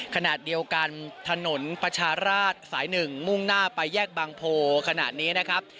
ขนาดเดียวกันถนนประชาราชสาย๑มุ่งหน้าไปแยกบางโพขนาดนี้นะครับ